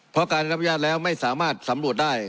เพราะการรับอนุญาตแล้วไม่สามารถสำรวจได้